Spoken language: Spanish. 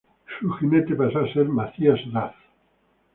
Su jinete pasó a ser Matthias Rath.